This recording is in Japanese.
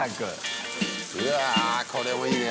うわこれもいいね。